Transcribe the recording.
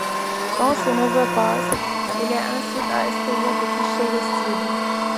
Quand ses neveux passent il les incite à essayer de toucher les cibles.